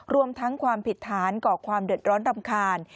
รวมทั้งความผิดฐานก่อความเดือดร้อนรำคาญ